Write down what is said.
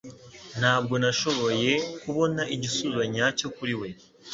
Ntabwo nashoboye kubona igisubizo nyacyo kuri we